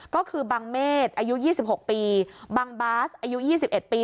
ก็คือบังเมษอายุยี่สิบหกปีบังบาสอายุยี่สิบเอ็ดปี